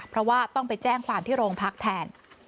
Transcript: เพราะว่าต้องไปแจ้งความที่โรงพักแทน